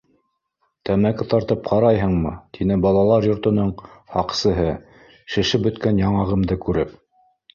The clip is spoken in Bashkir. — Тәмәке тартып ҡарайһыңмы? — тине балалар йортоноң һаҡсыһы, шешеп бөткән яңағымды күреп.